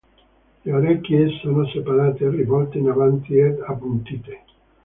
Le orecchie sono separate, rivolte in avanti ed appuntite.